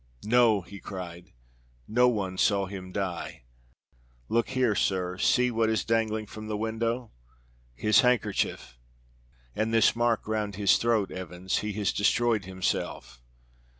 "No!" he cried. "No one saw him die. Look here, sir. See what is dangling from the window his handkerchief." "And this mark round his throat, Evans. He has destroyed himself."